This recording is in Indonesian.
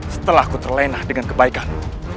setelah ku terlainah dengan kebaikan